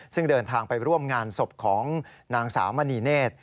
ซึ่งเดินทางไปร่วมงานศพของนางสาวมณีเนธ